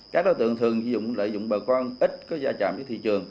các đối tượng thường dùng lợi dụng bà con ít có gia trạm với thị trường